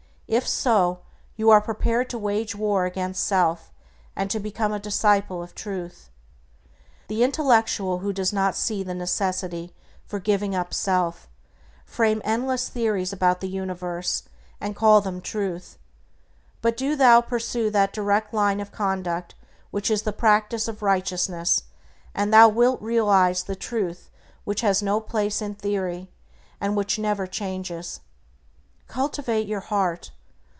If so, you are prepared to wage war against self, and to become a disciple of Truth. The intellectual who do not see the necessity for giving up self, frame endless theories about the universe, and call them Truth; but do thou pursue that direct line of conduct which is the practice of righteousness, and thou wilt realize the Truth which has no place in theory, and which never changes. Cultivate your heart.